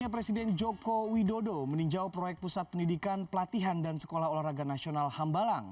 presiden joko widodo meninjau proyek pusat pendidikan pelatihan dan sekolah olahraga nasional hambalang